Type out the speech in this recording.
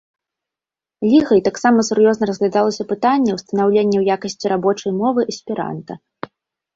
Лігай таксама сур'ёзна разглядалася пытанне ўстанаўленне ў якасці рабочай мовы эсперанта.